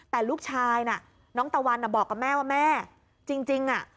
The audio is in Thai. แต่ลูกชายน่ะน้องตะวันบอกกับแม่ว่าแม่จริงอ่ะ